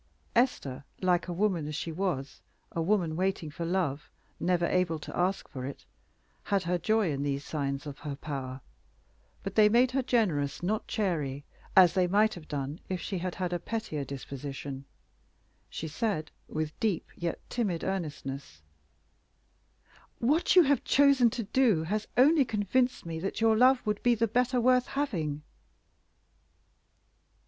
Esther, like a woman as she was a woman waiting for love, never able to ask for it had her joy in these signs of her power; but they made her generous, not chary, as they might have done if she had had a pettier disposition. She said, with deep yet timid earnestness "What you have chosen to do has only convinced me that your love would be the better worth having."